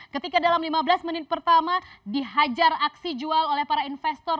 ketika dalam lima belas menit pertama dihajar aksi jual oleh para investor